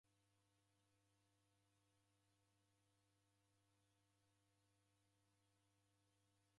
Uo mndu wakaie na ugho w'ukongo kwa miaka milazi.